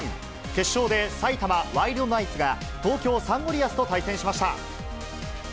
決勝で埼玉ワイルドナイツが、東京サンゴリアスと対戦しました。